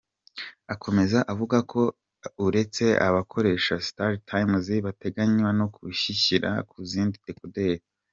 Akomeza avuga uretse abakoresha Star Times, bateganya no kuyishyira ku zindi dekoderi.